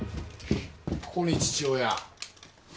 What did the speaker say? ここに父親